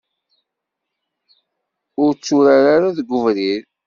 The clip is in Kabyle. Ur tturar ara deg ubrid.